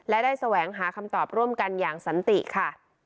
และได้แสวงหาคำตอบร่วมกันอย่างสันติค่ะ